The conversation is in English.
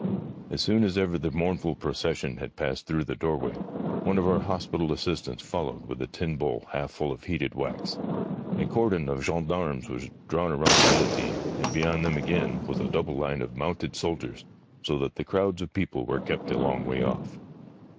As soon as ever the mournful procession had passed through the doorway, one of our hospital assistants followed with a tin bowl half full of heated wax. A cordon of gendarmes was drawn round the guillotine, and beyond them, again, was a double line of mounted soldiers, so that the crowds of people were kept a long way off.